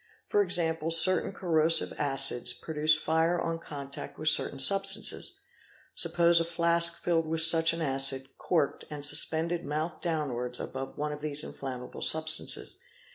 For example, certain corrosive acids produce fire on contact with certain substances; suppose a flask filled with such an acid, corked, and suspended mouth downwards above one of these inflammable substances.